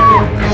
tidak akan kacau